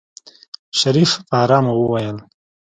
شريف په آرامه وويل.